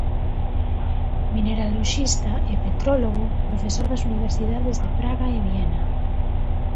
Mineraloxista e petrólogo, profesor nas universidades de Praga e Viena.